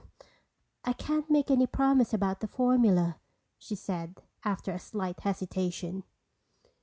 "I can't make any promise about the formula," she said after a slight hesitation.